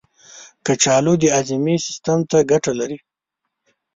کچالو د هاضمې سیستم ته ګټه لري.